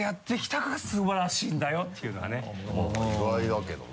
意外だけどな。